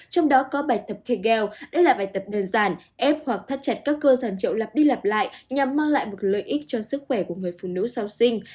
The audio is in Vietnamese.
trong đó có bài tập kygel đây là bài tập đơn giản ép hoặc thắt chặt các cơ dàn trậu lập đi lặp lại nhằm mang lại một lợi ích cho sức khỏe của người phụ nữ sau sinh